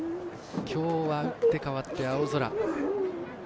きょうは打って変わって青空。